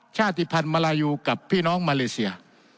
ชาติภัณฑ์มาลายูกับพี่น้องมาเลเซีย